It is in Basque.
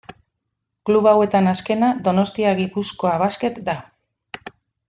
Klub hauetan azkena Donostia Gipuzkoa Basket da.